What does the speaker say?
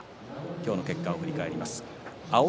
今日の結果を振り返ります。